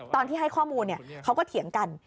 ตอนที่ให้ข้อมูลเขาก็เถียงกัน